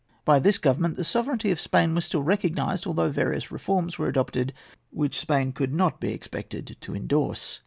By this government the sovereignty of Spain was still recognised, although various reforms were adopted which Spain could not be expected to endorse.